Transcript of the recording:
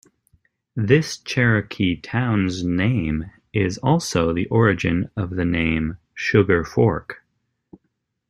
This Cherokee town's name is also the origin of the name "Sugar Fork".